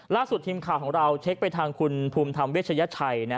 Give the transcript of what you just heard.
ล่าสุดทีมข่าวของเราเช็คไปทางคุณภูมิธรรมเวชยชัย